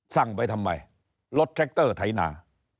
สั่งไปทำไมรถแทรคเตอร์ไถนา